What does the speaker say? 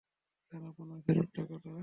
Sir, আপনার ফেরত টাকাটা?